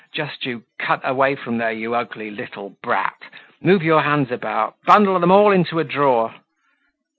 Just you cut away from there, you ugly little brat! Move your hands about, bundle them all into a drawer!"